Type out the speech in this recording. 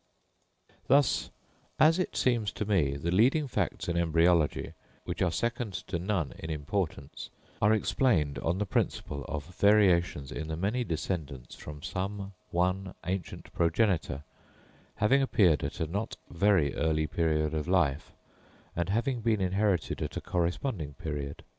Thus, as it seems to me, the leading facts in embryology, which are second to none in importance, are explained on the principle of variations in the many descendants from some one ancient progenitor, having appeared at a not very early period of life, and having been inherited at a corresponding period.